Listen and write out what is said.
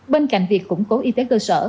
bên cạnh việc củng cố y tế cơ sở